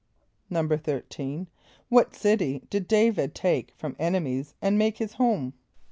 = =13.= What city did D[=a]´vid take from enemies and make his home?